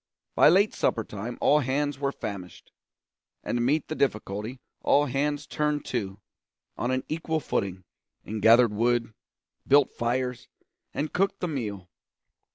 By late supper time all hands were famished; and to meet the difficulty all hands turned to, on an equal footing, and gathered wood, built fires, and cooked the meal.